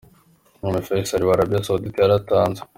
Umwami Faisal wa Arabia Saudite yaratanze.